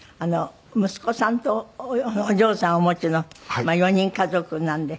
息子さんとお嬢さんをお持ちの４人家族なんで。